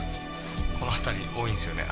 この辺り多いんすよね。